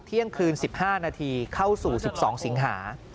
เที่ยงคืน๑๕นาทีเข้าสู่๑๒สิงหา